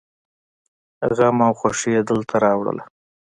غم او خوښي يې دلته راوړله.